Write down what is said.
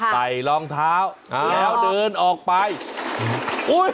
ใส่รองเท้าอย่าเพิ่งบิน